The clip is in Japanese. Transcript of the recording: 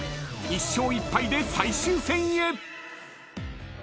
［１勝１敗で最終戦へ］